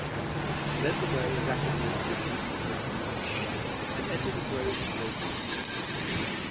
He led the way rapidly through the beautiful grounds and entered a grove of noble trees.